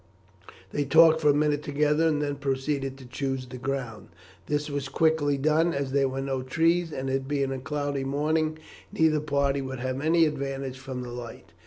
They talked for a minute together and then proceeded to choose the ground. This was quickly done, as there were no trees, and it being a cloudy morning neither party would have any advantage from the light.